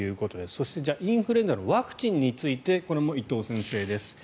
そして、インフルエンザのワクチンについてこれも伊藤先生です。